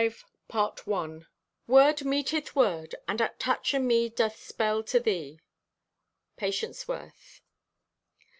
THE PROSE "Word meeteth word, and at touch o' me, doth spell to thee."—PATIENCE WORTH.